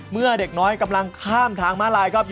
เมื่อเด็กน้อยกำลังข้ามทางม้าลายครับ